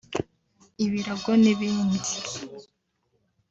ibirago n’ibindi